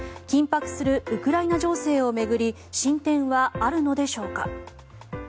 緊迫するウクライナ情勢を巡り進展はあるのでしょうか。